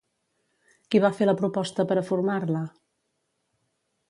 Qui va fer la proposta per a formar-la?